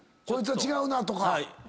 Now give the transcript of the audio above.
こいつは違うなとか。